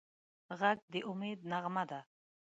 غږ د امید نغمه ده